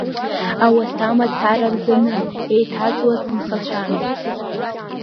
Ауаса мацара рзанын, еиҭаҵуаз нхацәан.